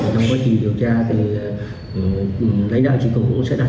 trong quá trình điều tra thì lấy đạo chỉ cục cũng sẽ đặt